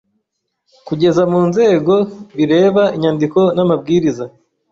Kugeza mu nzego bireba inyandiko n’amabwiriza